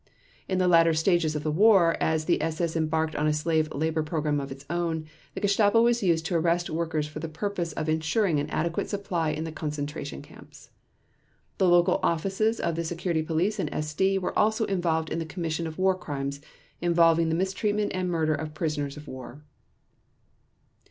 In the latter stages of the war as the SS embarked on a slave labor program of its own, the Gestapo was used to arrest workers for the purpose of insuring an adequate supply in the concentration camps. The local offices of the Security Police and SD were also involved in the commission of War Crimes involving the mistreatment and murder of prisoners of war.